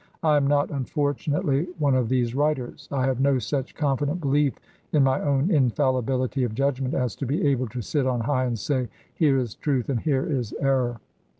I am not, unfortunately, one of these writers. I have no such confident belief in my own infallibility of judgment as to be able to sit on high and say, 'Here is truth, and here is error.'